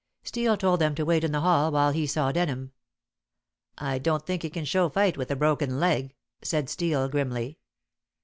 Steel told them to wait in the hall while he saw Denham. "I don't think he can show fight with a broken leg," said Steel grimly.